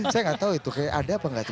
saya nggak tahu tuh kayak ada apa nggak tuh